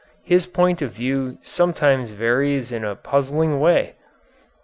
His point of view sometimes varies in a puzzling way."